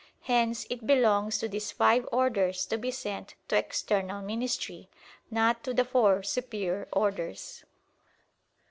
Hence it belongs to these five orders to be sent to external ministry; not to the four superior orders.